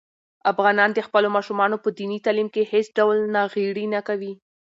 افغانان د خپلو ماشومانو په دیني تعلیم کې هېڅ ډول ناغېړي نه کوي.